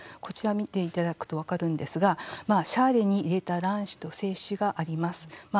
こちらを見ていただくと分かるんですがシャーレに入れた卵子と精子があります。